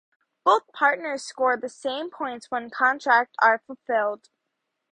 Both partners score the same points when contract are fulfilled.